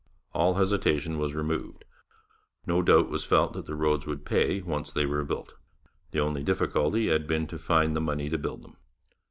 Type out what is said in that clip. All hesitation was removed. No doubt was felt that the roads would pay, once they were built; the only difficulty had been to find the money to build them.